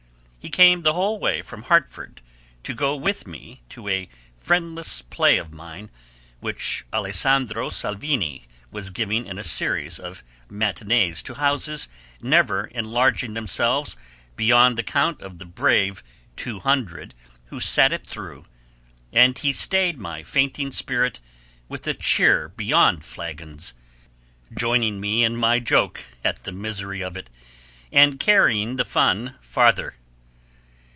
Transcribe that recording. He came the whole way from Hartford to go with me to a friendless play of mine, which Alessandro Salvini was giving in a series of matinees to houses never enlarging themselves beyond the count of the brave two hundred who sat it through, and he stayed my fainting spirit with a cheer beyond flagons, joining me in my joke at the misery of it, and carrying the fun farther.